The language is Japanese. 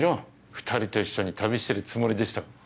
２人と一緒に旅しているつもりでしたもん。